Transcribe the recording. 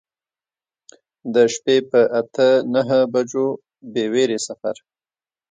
د شپې په اته نهه بجو بې ویرې سفر.